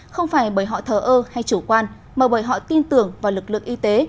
không phải bởi họ thờ ơ hay chủ quan mà bởi họ tin tưởng vào lực lượng y tế